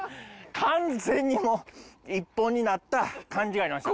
完全にもう一本になった感じがありました。